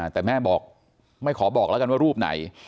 แต่แม่บอกไม่ขอบอกแล้วกันว่ารูปไหน